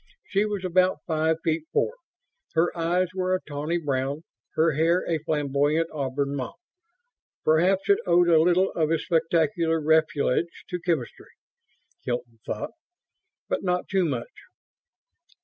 She was about five feet four. Her eyes were a tawny brown; her hair a flamboyant auburn mop. Perhaps it owed a little of its spectacular refulgence to chemistry, Hilton thought, but not too much.